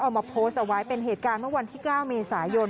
เอามาโพสต์เอาไว้เป็นเหตุการณ์เมื่อวันที่๙เมษายน